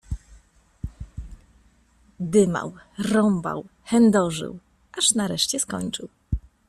Dymał, rąbał, chędożył, aż nareszcie skończył.